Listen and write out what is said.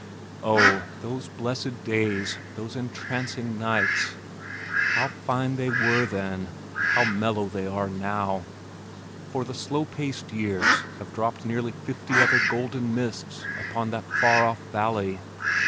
Oh, those blessed days, those entrancing nights! How fine they were then, and how mellow they are now, for the slow paced years have dropped nearly fifty other golden mists upon that far off valley.